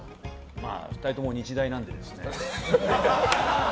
まあ２人とも日大なんで。